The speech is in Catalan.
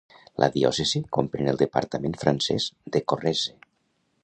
La diòcesi comprèn el departament francès de Corrèze.